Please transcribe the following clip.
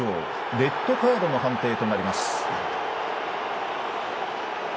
レッドカードの判定となります。